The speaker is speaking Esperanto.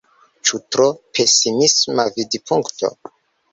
Ĉu tro pesimisma vidpunkto?